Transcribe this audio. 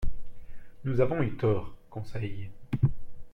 —Nous avons eu tort, Conseil.